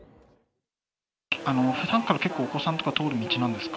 ふだんから結構、お子さんとか通る道なんですか？